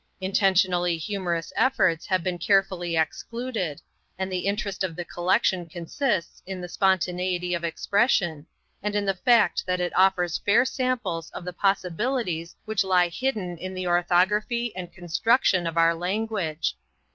Intentionally humorous efforts have been carefully excluded, and the interest of the collection consists in the spontaneity of expression and in the fact that it offers fair samples of the possibilities which lie hidden in the orthography and construction of our language.